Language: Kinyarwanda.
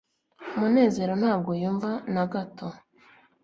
munezero ntabwo yumva na gato